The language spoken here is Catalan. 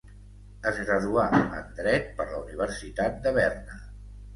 Es graduà en dret per la Universitat de Berna.